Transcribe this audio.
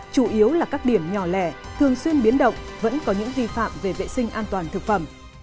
chủ yếu là các điểm nhỏ lẻ thường xuyên biến động vẫn có những vi phạm về vệ sinh an toàn thực phẩm